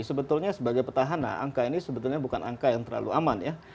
sebetulnya sebagai petahana angka ini sebetulnya bukan angka yang terlalu aman ya